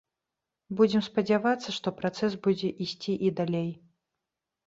Будзем спадзявацца, што працэс будзе ісці і далей.